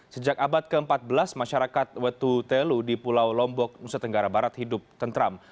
sejak abad ke empat belas masyarakat wetutelu di pulau lombok nusa tenggara barat hidup tentram